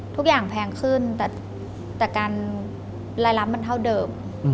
ทุกอย่างแพงขึ้นแต่การรายรับมันเท่าเดิม